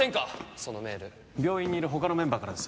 そのメール病院にいる他のメンバーからです